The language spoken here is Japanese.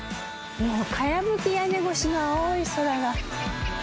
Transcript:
もうかやぶき屋根越しの青い空が。